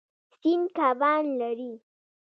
سیند کبان لري.